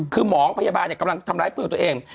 คือหมอพยาบาลกำลังทำร้ายเพื่อนตัวเอง